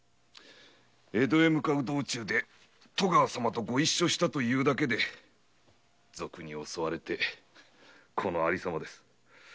江戸へ向かう道中で戸川様とご一緒したというだけで賊に襲われてこの有様です。